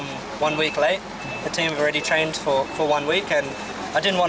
dan saya tidak ingin melupakan lagi hari latihan